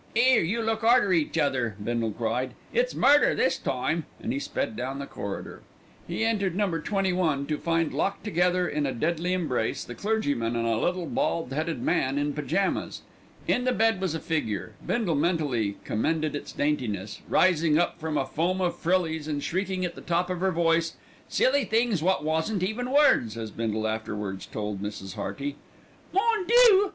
"'Ere, you look arter each other," Bindle cried, "it's murder this time." And he sped down the corridor. He entered No. 21 to find locked together in a deadly embrace the clergyman and a little bald headed man in pyjamas. In the bed was a figure, Bindle mentally commended its daintiness, rising up from a foam of frillies and shrieking at the top of her voice "silly things wot wasn't even words," as Bindle afterwards told Mrs. Hearty. "Mon Dieu!